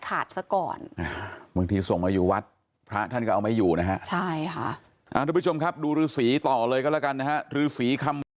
ก็อาจจะต้องคุยกับท่านผู้ปกครองของครอบครัวแหละ